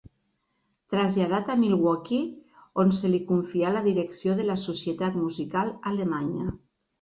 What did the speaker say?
Traslladat a Milwaukee, on se li confià la direcció de la Societat Musical Alemanya.